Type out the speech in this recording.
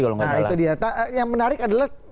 kalau nggak salah nah itu dia yang menarik adalah